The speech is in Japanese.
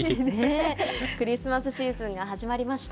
クリスマスシーズンが始まりました。